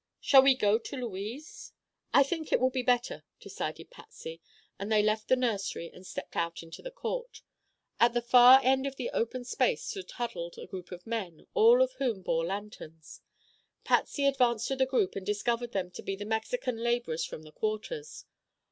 Shall we go to Louise?" "I think it will be better," decided Patsy, and they left the nursery and stepped out into the court. At the far end of the open space stood huddled a group of men, all of whom bore lanterns. Patsy advanced to the group and discovered them to be the Mexican laborers from the quarters.